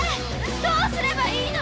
どうすればいいの！